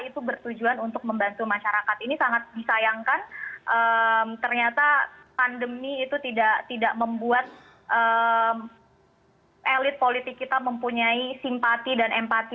itu bertujuan untuk membantu masyarakat ini sangat disayangkan ternyata pandemi itu tidak membuat elit politik kita mempunyai simpati dan empati